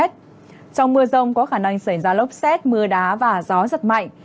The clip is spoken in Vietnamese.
trong mưa rông có khả năng xảy ra lốc xét mưa đá và gió giật mạnh